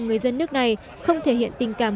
người dân nước này không thể hiện tình cảm